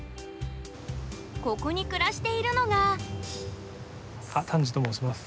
ここに暮らしているのが丹治と申します。